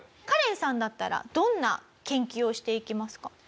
カレンさんだったらどんな研究をしていきますか？